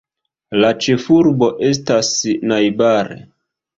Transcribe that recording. La ĉefurbo estas najbare.